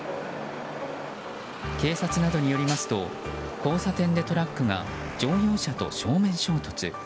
警察などによりますと交差点でトラックが乗用車と正面衝突。